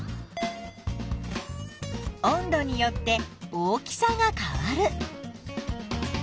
温度によって大きさが変わる。